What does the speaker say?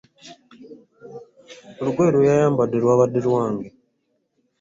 Olugoye lw'eyayambadde lw'abadde lwange